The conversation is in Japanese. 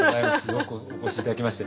よくお越し頂きまして。